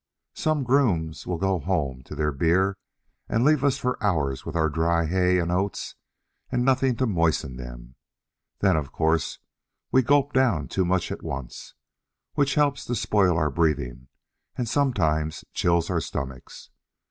Some grooms will go home to their beer and leave us for hours with our dry hay and oats and nothing to moisten them; then of course we gulp down too much at once, which helps to spoil our breathing and sometimes chills our stomachs.